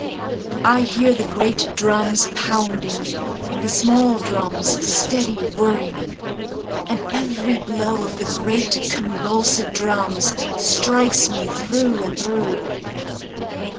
I hear the great drums pounding, And the small drums steady whirring, And every blow of the great convulsive drums, Strikes me through and through.